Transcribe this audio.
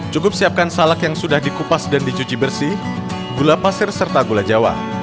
cukup siapkan salak yang sudah dikupas dan dicuci bersih gula pasir serta gula jawa